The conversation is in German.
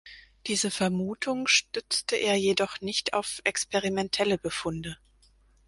Diese Vermutung stützte er jedoch nicht auf experimentelle Befunde.